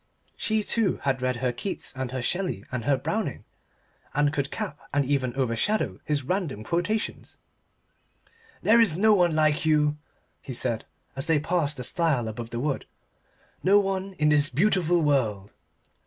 She, too, had read her Keats and her Shelley and her Browning and could cap and even overshadow his random quotations. "There is no one like you," he said as they passed the stile above the wood; "no one in this beautiful world."